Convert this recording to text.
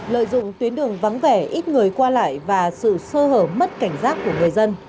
lợi dụng tuyến đường vắng vẻ ít người qua lại và sự sơ hở mất cảnh giác của người dân